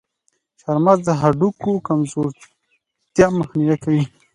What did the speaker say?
چارمغز د هډوکو کمزورتیا مخنیوی کوي.